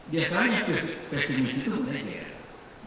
biasanya pesimis itu benar benar